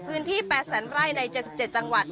พื้นที่๘แสนไร่ใน๗๗จังหวัด